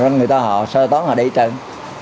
rồi người ta họ sơ tán họ đẩy trận